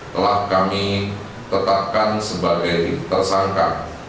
telah kami tetapkan sebagai tersangka